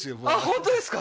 本当ですか？